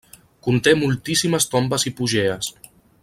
Conté moltíssimes tombes hipogees.